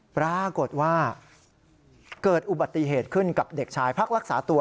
ปรากฏว่าเกิดอุบัติเหตุขึ้นกับเด็กชายพักรักษาตัว